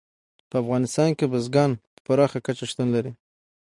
په افغانستان کې بزګان په پراخه کچه شتون لري.